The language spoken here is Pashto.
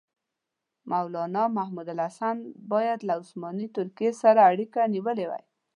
مولنا محمودالحسن باید له عثماني ترکیې سره اړیکه نیولې وای.